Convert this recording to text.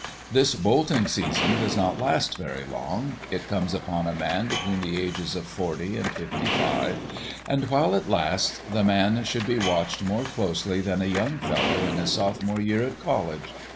This bolting season does not last very long. It comes upon a man between the ages of forty and fifty five, and while it lasts the man should be watched more closely than a young fellow in his sophomore year at college.